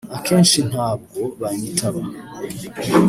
“Akenshi ntabwo banyitaba